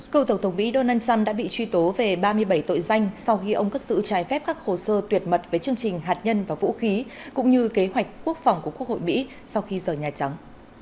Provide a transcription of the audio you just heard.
cựu tổng thống mỹ donald trump đã bị truy tố về ba mươi bảy tội danh sau khi ông cất sự trái phép các hồ sơ tuyệt mật với chương trình hạt nhân và vũ khí cũng như kế hoạch quốc phòng của quốc hội mỹ sau khi rời nhà trắng